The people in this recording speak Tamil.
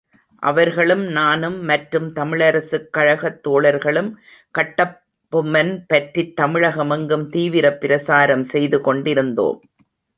அவர்களும் நானும் மற்றும் தமிழரசுக் கழகத் தோழர்களும் கட்டபொம்மன் பற்றித் தமிழகமெங்கும் தீவிரப் பிரசாரம் செய்து கொண்டிருந்தோம்.